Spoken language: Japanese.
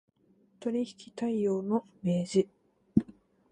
取引態様の明示